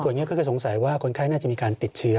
ส่วนนี้ก็จะสงสัยว่าคนไข้น่าจะมีการติดเชื้อ